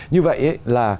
như vậy là